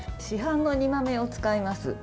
市販の煮豆を使います。